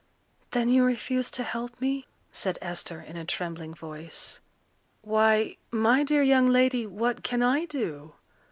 "Then you refuse to help me?" said Esther in a trembling voice. "Why, my dear young lady, what can I do?